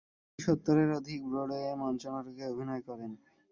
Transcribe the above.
তিনি সত্তরের অধিক ব্রডওয়ে মঞ্চনাটকে অভিনয় করেন।